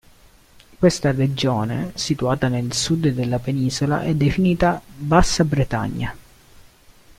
Questa regione, situata nel sud della penisola, è definita Bassa Bretagna.